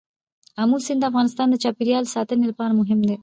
آمو سیند د افغانستان د چاپیریال ساتنې لپاره مهم دی.